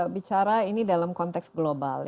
bicara ini dalam konteks global